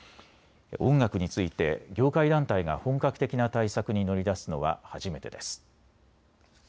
音楽について業界団体が本格的な対策に乗り出すのは初めてです。